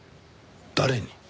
誰に？